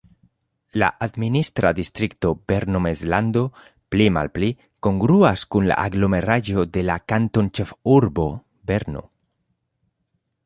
La administra distrikto Berno-Mezlando pli-malpli kongruas kun la aglomeraĵo de la kantonĉefurbo Berno.